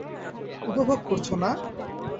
উপভোগ করছ না?